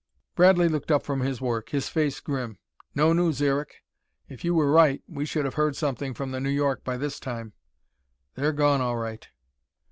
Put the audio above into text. Bradley looked up from his work, his face grim. "No news, Eric. If you were right we should have heard something from the New York by this time. They're gone, all right."